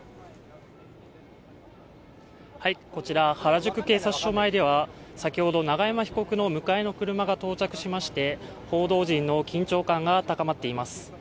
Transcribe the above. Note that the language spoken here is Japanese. こちら、原宿警察署前では先ほど永山被告の迎えの車が到着しまして、報道陣の緊張感が高まっています。